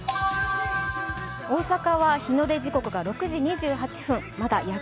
大阪は日の出時刻が６時２８分。